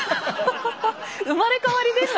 生まれ変わりか。